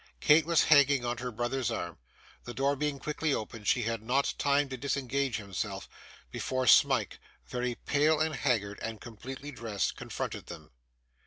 Kate was hanging on her brother's arm. The door being quickly opened, she had not time to disengage herself, before Smike, very pale and haggard, and completely dressed, confronted them.